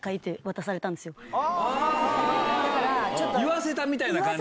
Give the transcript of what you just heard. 言わせたみたいな感じが。